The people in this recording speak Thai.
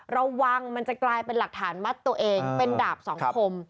ระวังมันจะกลายเป็นหลักฐานมัดตัวเองเป็นดาบสองคม